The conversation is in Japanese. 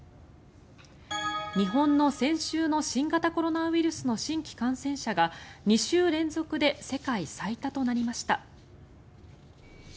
日本の先週の新型コロナウイルスの新規感染者が２週連続で世界最多となりました。